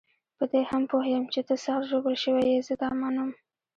په دې هم پوه یم چې ته سخت ژوبل شوی یې، زه دا منم.